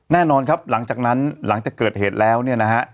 แน่นอนครับหลังจากนั้นหลังจากเกิดเหตุแล้วเนี่ยนะฮะ